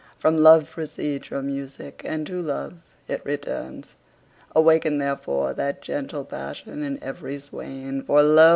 From love proceeds your music, and to love it returns. Awaken therefore that gentle passion in every swain: for lo!